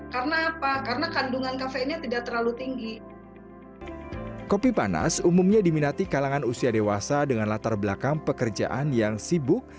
kopi panas umumnya diminati kalangan usia dewasa dengan latar belakang pekerjaan yang sibuk